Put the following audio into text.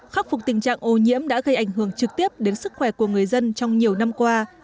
khắc phục tình trạng ô nhiễm đã gây ảnh hưởng trực tiếp đến sức khỏe của người dân trong nhiều năm qua